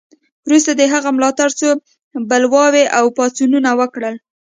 وروسته د هغه ملاتړو څو بلواوې او پاڅونونه وکړل.